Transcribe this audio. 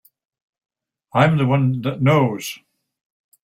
I'm the one that knows.